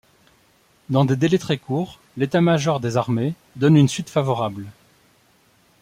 Dans des délais très courts, l'état-major des Armées donne une suite favorable.